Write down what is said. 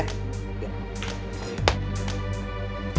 sampai jumpa sekali